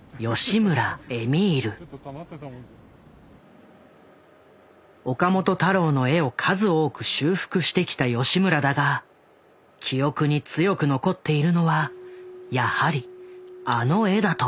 家岡本太郎の絵を数多く修復してきた吉村だが記憶に強く残っているのはやはりあの絵だという。